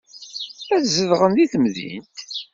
Ad zedɣen deg temdint.